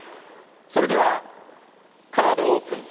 それではカードオープン